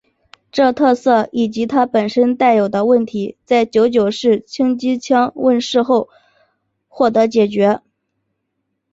这特色以及它本身带有的问题在九九式轻机枪问世后获得解决。